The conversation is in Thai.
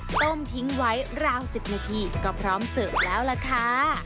ต้มทิ้งไว้ราว๑๐นาทีก็พร้อมเสิร์ฟแล้วล่ะค่ะ